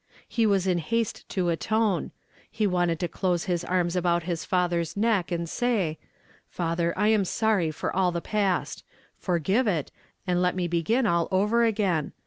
He was in haste to atone. He wanted to close his arms about his father's neck and say : "Father I am sorry for all the past; forgive it, and let nie begin all over again.